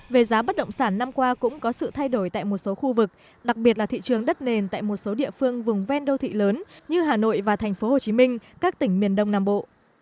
về giá bất động sản năm qua cũng có sự thay đổi tại một số khu vực đặc biệt là thị trường đất nền tại một số địa phương vùng ven đô thị lớn như hà nội và tp hcm các tỉnh miền đông nam bộ